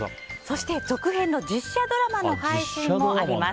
続編の実写ドラマの配信もあります。